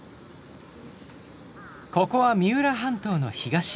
ここは三浦半島の東